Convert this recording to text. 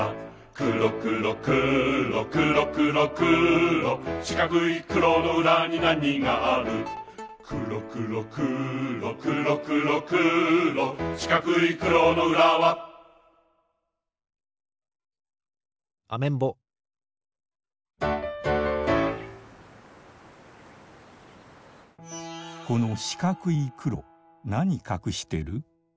くろくろくろくろくろくろしかくいくろのうらになにがあるくろくろくろくろくろくろしかくいくろのうらはアメンボこのしかくいくろなにかくしてる？